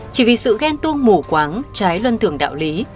chỉ vì sự ghen tuông mù quáng trái luân thường đạo lý